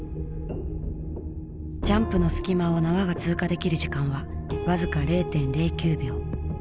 ジャンプの隙間を縄が通過できる時間は僅か０．０９秒。